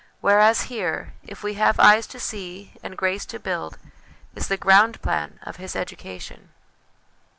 Whereas here, if we have eyes to see and grace to build, is the ground plan of his education.